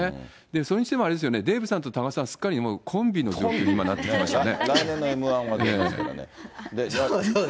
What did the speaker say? それにしてもあれですよね、デーブさんと多賀さん、すっかりコンビの状況になってきましたね。